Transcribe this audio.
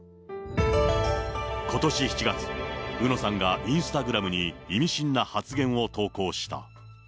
ことし７月、うのさんがインスタグラムに意味深な発言を投稿した。